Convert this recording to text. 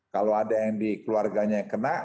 kalau ada yang dikeluarganya kena